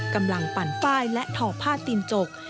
กำลังปั่นป้ายและถ่อผ้าตินจก